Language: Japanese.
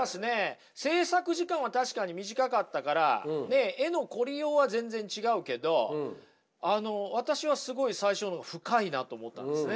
制作時間は確かに短かったから絵の凝りようは全然違うけど私はすごい最初の深いなと思ったんですね。